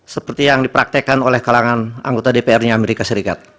seperti yang dipraktekkan oleh kalangan anggota dpr nya amerika serikat